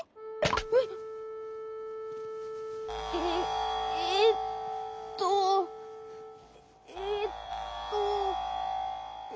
えっ？えっえっと？ええっとえっと。